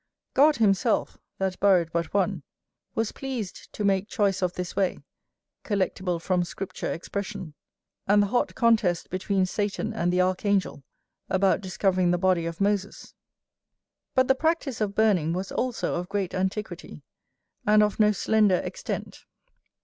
God himself, that buried but one, was pleased to make choice of this way, collectible from Scripture expression, and the hot contest between Satan and the archangel about discovering the body of Moses. But the practice of burning was also of great antiquity, and of no slender extent.